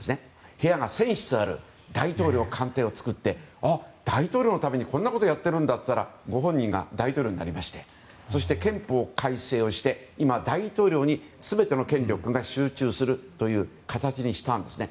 部屋が１０００室もある大統領官邸を作って大統領のためにこんなことをやっているんだったらと本人が大統領になりまして憲法改正をしまして今、大統領に全ての権力が集中する形にしたんですね。